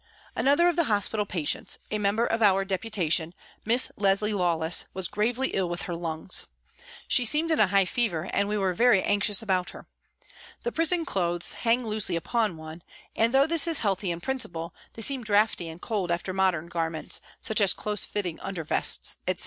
* Another of the hospital patients, a member of our Deputation, Miss Leslie Lawless, was gravely ill with her lungs. She seemed in a high fever and we were very anxious about her. The prison clothes hang loosely upon one, and, though this is healthy in principle, they seem draughty and cold after modern garments, such as close fitting under vests, etc.